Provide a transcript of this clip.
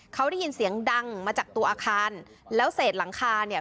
เขาได้ยินเสียงดังมาจากตัวอาคารแล้วเศษหลังคาเนี่ย